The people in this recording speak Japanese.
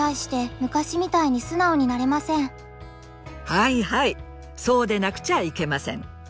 はいはいそうでなくちゃいけません。